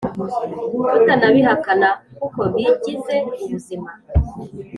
tutanabihakana kuko bigize ubuzima